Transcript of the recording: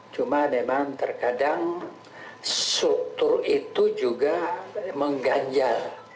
cuma memang terkadang struktur itu juga mengganjal